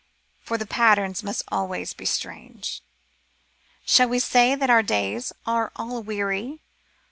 For the patterns must always be strange. Shall we say that our days are all weary